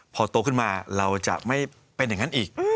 พอโตขึ้นมาเราจะไม่เป็นอย่างนั้นอีก